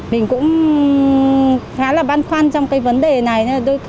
mình cũng khá là băn khoăn trong cái vấn đề này